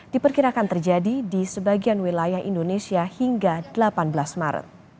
diperkirakan terjadi di sebagian wilayah indonesia hingga delapan belas maret